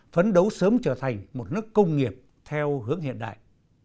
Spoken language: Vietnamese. phấn đấu sớm trở thành một nước công nghiệp theo hướng hiện đại